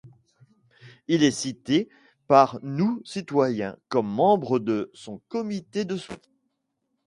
Il est cité par Nous Citoyens comme membre de son comité de soutien.